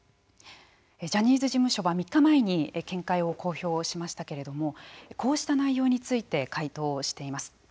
ジャニーズ事務所は３日前に見解を公表しましたけれどもこうした内容について回答しています。